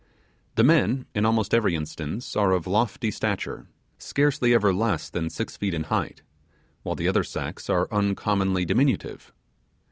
The men, in almost every instance, are of lofty stature, scarcely ever less than six feet in height, while the other sex are uncommonly diminutive.